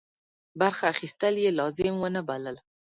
برخه اخیستل یې لازم ونه بلل.